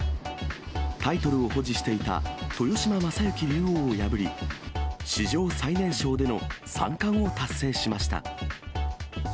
タイトルを保持していた豊島将之竜王を破り、史上最年少での三冠を達成しました。